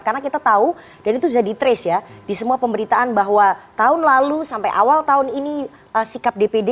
karena kita tahu dan itu sudah di trace ya di semua pemberitaan bahwa tahun lalu sampai awal tahun ini sikap dpd